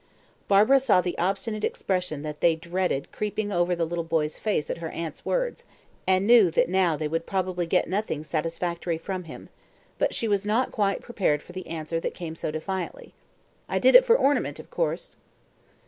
Barbara saw the obstinate expression that they dreaded creeping over the little boy's face at her aunt's words, and knew that now they would probably get nothing satisfactory from him; but she was not quite prepared for the answer that came so defiantly. "I did it for ornament, of course."